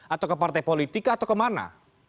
atau ke partai politik atau kemana